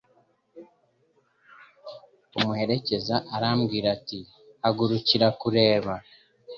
umuherekeza arambwira ati Hagarika kureba